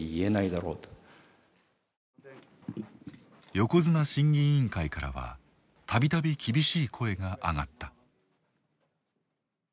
横綱審議委員会からは度々厳しい声が上がった。